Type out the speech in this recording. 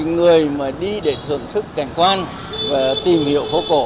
người mà đi để thưởng thức cảnh quan và tìm hiểu phố cổ